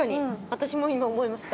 私も今思いました